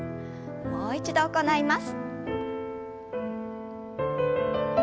もう一度行います。